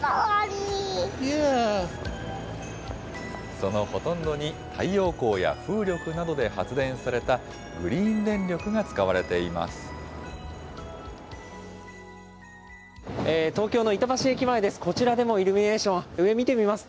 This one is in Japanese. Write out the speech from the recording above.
そのほとんどに、太陽光や風力などで発電されたグリーン電力が使われています。